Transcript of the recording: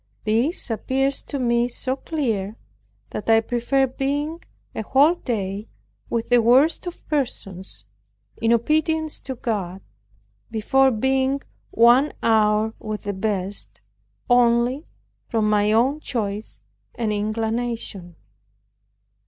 This appears to me so clear, that I prefer being a whole day with the worst of persons, in obedience to God, before being one hour with the best, only from my own choice and inclination.